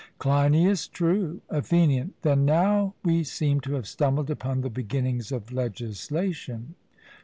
CLEINIAS: True. ATHENIAN: Then now we seem to have stumbled upon the beginnings of legislation.